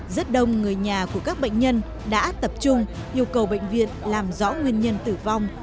rất đông người nhà của các bệnh nhân đã tập trung yêu cầu bệnh viện làm rõ nguyên nhân tử vong